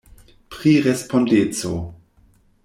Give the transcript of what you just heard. Pri respondeco.